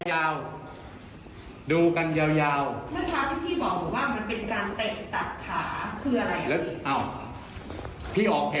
เมื่อนานส์พี่บอกว่ามันเป็นการเตะตัดขา